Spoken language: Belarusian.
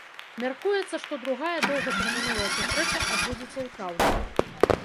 Мяркуецца, што другая доўгатэрміновая сустрэча адбудзецца ў траўні.